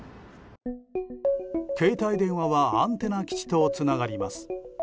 携帯電話はアンテナ基地とつながります。